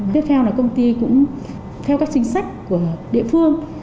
tiếp theo là công ty cũng theo các chính sách của địa phương